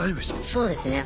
そうですね。